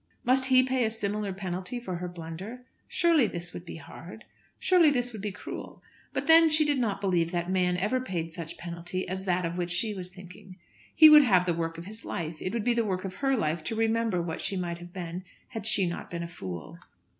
Must he pay a similar penalty for her blunder? Surely this would be hard! Surely this would be cruel! But then she did not believe that man ever paid such penalty as that of which she was thinking. He would have the work of his life. It would be the work of her life to remember what she might have been had she not been a fool.